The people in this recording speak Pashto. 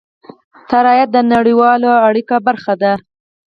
الوتکه د نړیوالو اړیکو برخه ده.